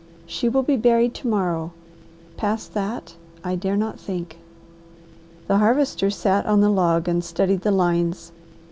She will be buried to morrow. Past that, I dare not think." The Harvester sat on the log and studied the lines.